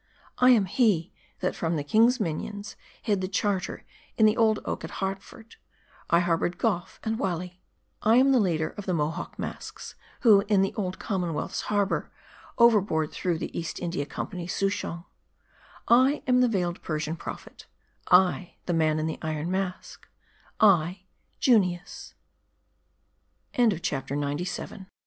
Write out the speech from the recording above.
I am he, that from the king's minions hid the Charter in the old oak at Hartford ; I harbored Goffe and Whalley : I am the leader of the Mohawk masks, who in the Old Common wealth's harbor, overboard threw the East India Company's Souchong ; I am the Vailed Persian Prophet ; I, the man in the iron mask ; I, Ju